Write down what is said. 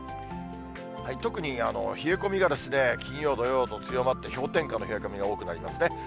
特に冷え込みが金曜、土曜と強まって、氷点下の冷え込みが多くなりますね。